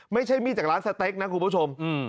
ไม่ใช่มีดจากร้านสเต็กนะคุณผู้ชม